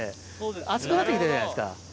暑くなってきてるじゃないですか。